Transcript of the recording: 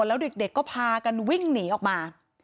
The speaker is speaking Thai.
แล้วเด็กก็พากันวิ่งหนีออกมา